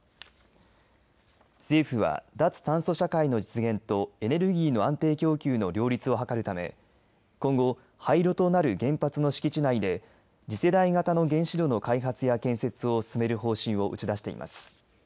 政府は脱炭素社会の実現とエネルギーの安定供給の両立を図るため今後、廃炉となる原発の敷地内で次世代型の原子炉の開発や建設を進める方針を打ち出しています。